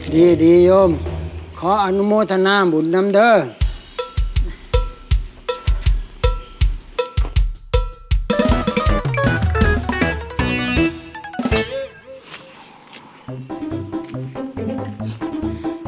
ดีโยมขออนุโมทนาบุญนำเด้อ